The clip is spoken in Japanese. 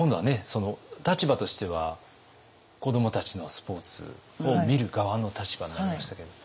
その立場としては子どもたちのスポーツを見る側の立場になりましたけれども。